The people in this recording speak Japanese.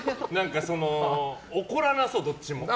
怒らなそう、どっちも。